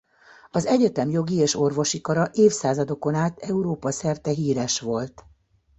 Az egyetem jogi és orvosi kara évszázadokon át Európa-szerte híres volt.